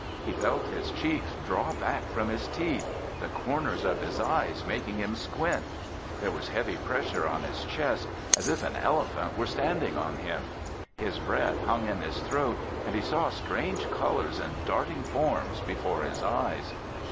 He felt his cheeks draw back from his teeth, the corners of his eyes making him squint. There was heavy pressure on his chest, as if an elephant were standing on him. His breath hung in his throat and he saw strange colors and darting forms before his eyes.